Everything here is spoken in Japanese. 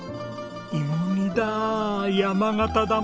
芋煮だあ山形だもんな！